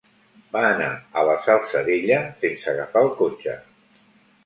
Va anar a la Salzadella sense agafar el cotxe.